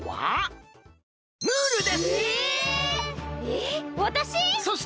ええっわたし！？